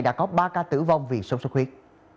đã có ba ca tử vong vì sốt sốt khuyết